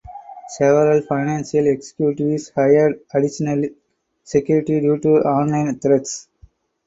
Several financial executives hired additional security due to online threats.